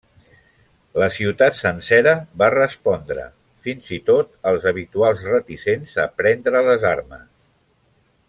La ciutat sencera va respondre, fins i tot els habituals reticents prendre les armes.